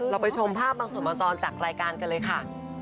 ไปชมภาพบางส่วนบางตอนจากรายการกันเลยค่ะ